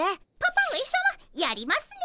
パパ上さまやりますね。